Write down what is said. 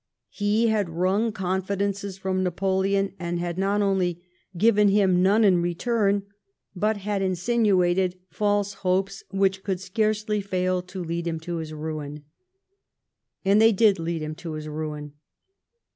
He had wruno confidences from Napoleon and had not only given him none in return, but had insinuated false hopes which could scarcely fail to lead him to his ruin. And they did lead him to his ruin.